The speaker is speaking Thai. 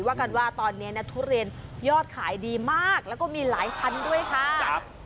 ว่ากันว่าตอนนี้นะทุเรียนยอดขายดีมากแล้วก็มีหลายพันด้วยค่ะ